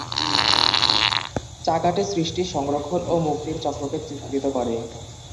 চাকাটি সৃষ্টি, সংরক্ষণ ও মুক্তির চক্রকে চিত্রিত করে।